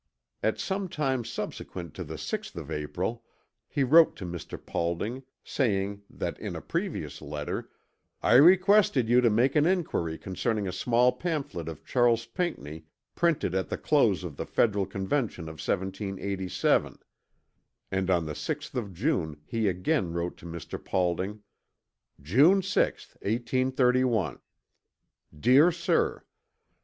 At some time subsequent to the 6th of April he wrote to Mr. Paulding, saying that in a previous letter "I requested you to make an inquiry concerning a small pamphlet of Charles Pinckney printed at the close of the Federal Convention of 1787;" and on the 6th of June he again wrote to Mr. Paulding, "June 6th, 1831. "DEAR SIR.